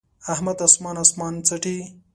احمد اسمان اسمان څټي.